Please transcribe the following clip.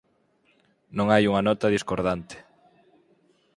Non hai unha nota discordante".